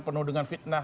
penuh dengan fitnah